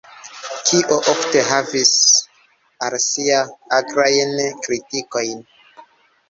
Kio ofte havigis al si akrajn kritikojn.